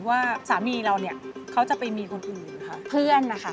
ว่าสามีเราเนี่ยเขาจะไปมีคนอื่น